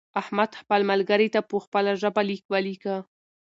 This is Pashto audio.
احمد خپل ملګري ته په خپله ژبه لیک ولیکه.